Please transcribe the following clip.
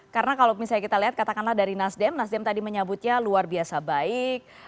karena kalau misalnya kita lihat katakanlah dari nasdem nasdem tadi menyambutnya luar biasa baik